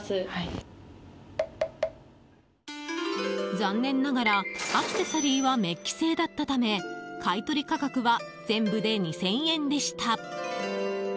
残念ながら、アクセサリーはめっき製だったため買い取り価格は全部で２０００円でした。